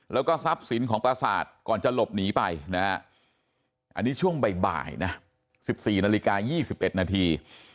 แล้วก็ทรัพย์สินของประสาทก่อนจะหลบหนีไปนะฮะอันนี้ช่วงบ่ายนะ๑๔นาฬิกา๒๑นาที